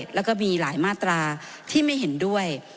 แล้วก็มีหลายมาตราที่ไม่เห็นด้วย